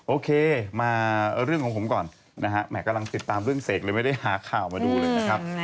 โอเคมาเรื่องของผมก่อนนะฮะแหม่กำลังติดตามเรื่องเสกเลยไม่ได้หาข่าวมาดูเลยนะครับ